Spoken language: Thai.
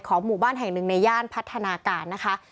หมู่บ้านแห่งหนึ่งในย่านพัฒนาการนะคะ